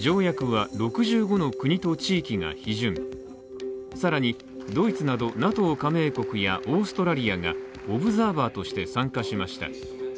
条約は６５の国と地域が批准さらにドイツなどＮＡＴＯ加盟国やオーストラリアがオブザーバーとして参加しました。